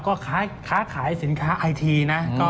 ก็ค้าขายสินค้าเงินไทยนะ